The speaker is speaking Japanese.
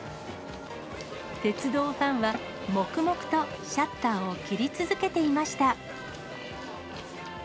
鉄道ファンは、黙々とシャッターを切り続けていました。